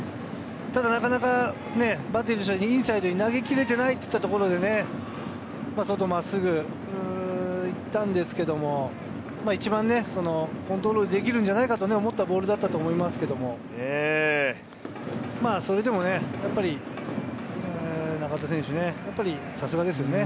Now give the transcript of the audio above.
ただ、バッテリーとしてはインサイドに投げきれていないといったところでね、外、真っすぐ行ったんですけども、一番コントロールできるんじゃないかと思ったボールだったと思いますけども、それでもやっぱり中田選手、さすがですね。